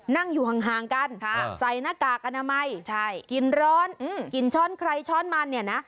นั่งอยู่ห่างกันใส่หน้ากากอนามัยกินร้อนกินช้อนใครช้อนมันเนี่ยนะ